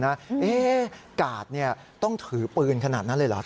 กาดต้องถือปืนขนาดนั้นเลยเหรอ